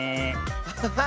ハハハッ！